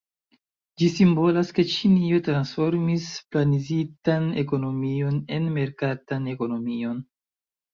Ĝi simbolas ke Ĉinio transformis planizitan ekonomion en merkatan ekonomion.